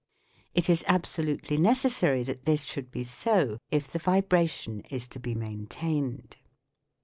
It is absolutely necessary that this should be so if the vibration is to be maintained.